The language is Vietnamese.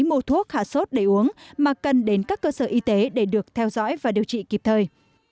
mua thuốc hạ sốt để uống mà cần đến các cơ sở y tế để được theo dõi và điều trị kịp thời